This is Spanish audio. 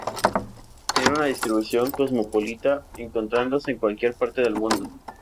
Tiene una distribución cosmopolita, encontrándose en cualquier parte del mundo.